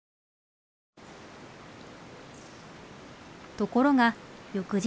ところが翌日。